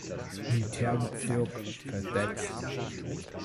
Militärbezirk versetzt.